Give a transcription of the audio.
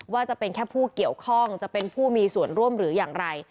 จะเป็นแค่ผู้เกี่ยวข้องจะเป็นผู้มีส่วนร่วมหรืออย่างไร